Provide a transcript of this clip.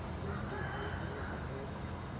ตอนที่สุด